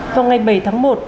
vào ngày bảy tháng một